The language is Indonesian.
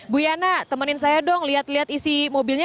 bu yana temenin saya dong lihat lihat isi mobilnya